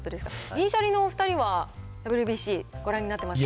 銀シャリのお２人は、ＷＢＣ、ご覧になってました？